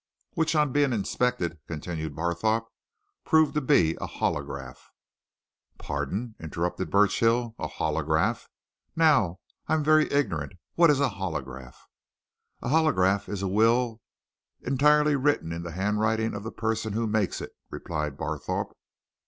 "Which, on being inspected," continued Barthorpe, "proved to be a holograph " "Pardon," interrupted Burchill, "a holograph? Now, I am very ignorant. What is a holograph?" "A holograph will is a will entirely written in the handwriting of the person who makes it," replied Barthorpe.